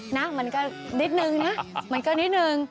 เหมือนก็นิดนึงนะ